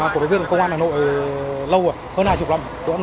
cổ động viên của công an hà nội lâu rồi hơn hai mươi năm